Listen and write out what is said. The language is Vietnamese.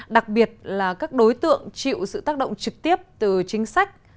đặc biệt là các đối tượng chịu sự tác động trực tiếp từ chính sách